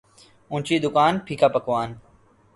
اونچی دکان پھیکا پکوان